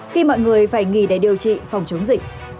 khi mọi người phải nghỉ để điều trị phòng chống dịch